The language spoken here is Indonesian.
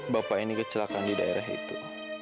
bapak ini kecelakaan di daerah itu